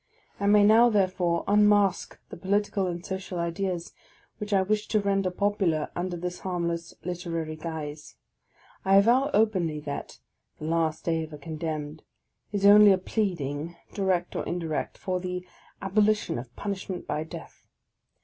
I may now, therefore, unmask the political and social ideas which I wished to render popular under this harmless literary guise. I avow openly, that " The Last Day of a Condemned " is only a pleading, direct or indirect, for the abolition of pun ishment by death.